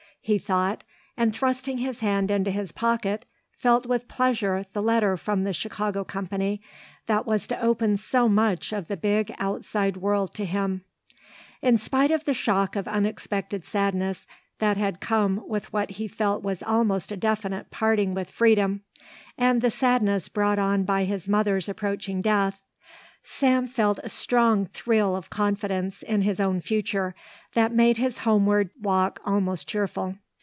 he thought, and, thrusting his hand into his pocket, felt with pleasure the letter from the Chicago company that was to open so much of the big outside world to him. In spite of the shock of unexpected sadness that had come with what he felt was almost a definite parting with Freedom, and the sadness brought on by his mother's approaching death, Sam felt a strong thrill of confidence in his own future that made his homeward walk almost cheerful.